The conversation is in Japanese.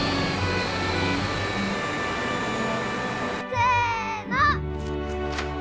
せの。